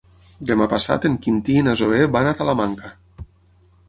Demà passat en Quintí i na Zoè van a Talamanca.